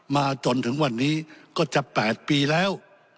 มาจนถึงวันนี้ก็จะ๘ปีแล้ว